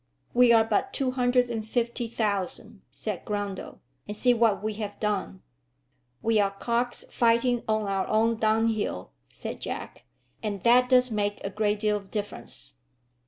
"We are but two hundred and fifty thousand," said Grundle, "and see what we have done." "We are cocks fighting on our own dunghill," said Jack, "and that does make a deal of difference."